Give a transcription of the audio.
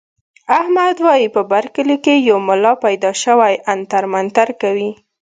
احمد وايي په بر کلي کې یو ملا پیدا شوی عنتر منتر کوي.